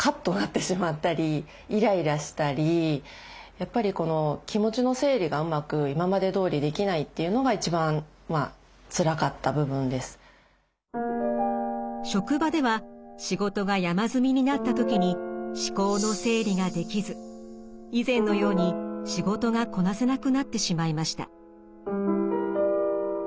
やっぱりこの職場では仕事が山積みになった時に思考の整理ができず以前のように仕事がこなせなくなってしまいました。